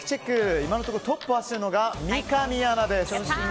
今のところトップを走っているのが三上アナです。